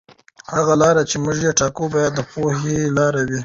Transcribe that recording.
هغه لاره چې موږ یې ټاکو باید د پوهې لاره وي.